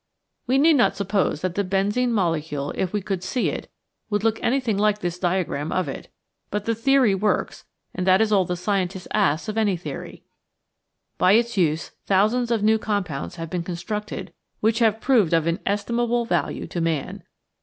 We need not suppose that the benzene molecule if we could see it would look anything like this diagram of it, but the theory works and that is all the scientist asks of any theory. By its use thousands of new compounds have been con structed which have proved of inestimable value to man.